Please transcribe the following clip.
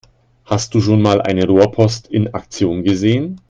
Hast du schon mal eine Rohrpost in Aktion gesehen?